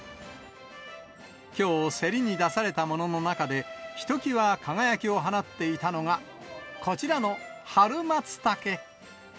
きょう、競りに出されたものの中で、ひときわ輝きを放っていたのが、こちらの春マツタケ。